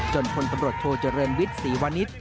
จนพลตำรวจโทเจริญวิทย์สีวณิศ